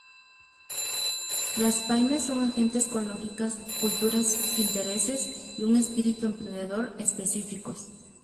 Las pymes son agentes con lógicas, culturas, intereses y un espíritu emprendedor específicos.